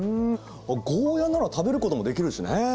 あっゴーヤなら食べることもできるしね。